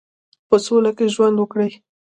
په سوله کې ژوند وکړي.